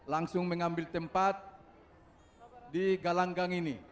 langsung mengambil tempat di galanggang ini